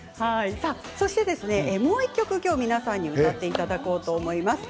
もう１曲皆さんに歌っていただこうと思います。